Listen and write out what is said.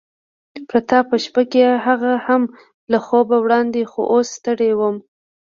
پرته په شپه کې، هغه هم له خوبه وړاندې، خو اوس ستړی وم.